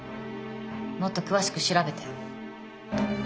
もっと詳しく調べて。